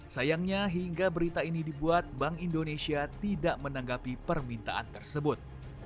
sayangnya hingga berita ini dibuat bank indonesia tidak menanggapi permintaan tersebut